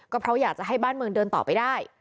ก็เพราะอยากจะให้บ้านเมืองเดินต่อไปได้